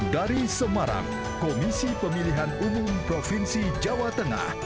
dari semarang komisi pemilihan umum provinsi jawa tengah